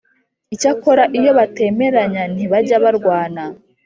Icyakora iyo batemeranya ntbajya barwana